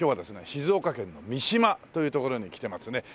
静岡県の三島という所に来てますね。